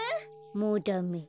もうダメ